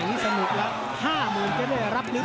นี่สนุกแล้ว๕๐๐๐๐บาทจะได้รับฤทธิ์